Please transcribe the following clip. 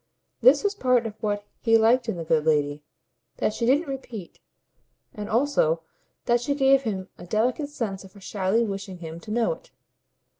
This was part of what he liked in the good lady, that she didn't repeat, and also that she gave him a delicate sense of her shyly wishing him to know it.